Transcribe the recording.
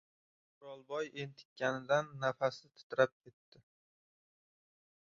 O‘rolboy entikanidan nafasi titrab ketdi.